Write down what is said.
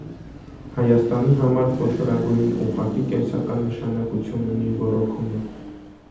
Հայաստանի համար խոշորագույն, ուղղակի կենսական նշանակություն ունի ոռոգումը։